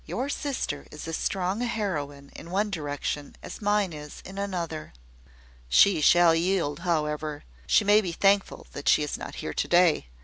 "Your sister is as strong a heroine in one direction as mine is in another." "She shall yield, however. She may be thankful that she is not here to day.